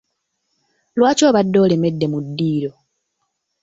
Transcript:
Lwaki obadde olemedde mu ddiiro?